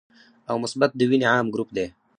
او مثبت د وینې عام ګروپ دی